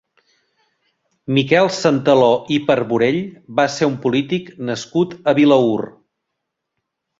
Miquel Santaló i Parvorell va ser un polític nascut a Vilaür.